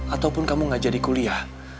ataupun kamu gak jadi kuliah